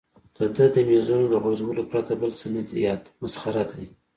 د ده د مېزونو د غورځولو پرته بل څه نه دي یاد، مسخره دی.